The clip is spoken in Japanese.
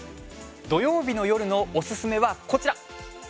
土曜日の夜のおすすめはこちら。